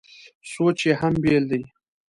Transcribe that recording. سوچ یې هم بېل دی.